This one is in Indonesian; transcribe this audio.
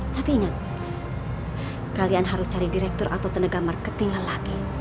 tapi ingat kalian harus cari direktur atau tenaga marketing lagi